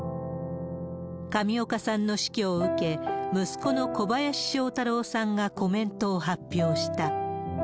上岡さんの死去を受け、息子の小林聖太郎さんがコメントを発表した。